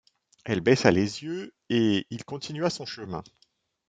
Elle baissa les yeux, et il continua son chemin.